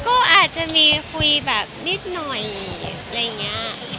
ก็อาจจะมีคุยแบบนิดหน่อยอะไรอย่างนี้